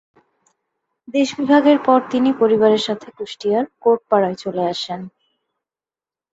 দেশ বিভাগের পর তিনি পরিবারের সাথে কুষ্টিয়ার কোর্টপাড়ায় চলে আসেন।